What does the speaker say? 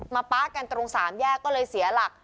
ป๊ากันตรงสามแยกก็เลยเสียหลัก